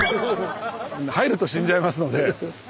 入ると死んじゃいますので。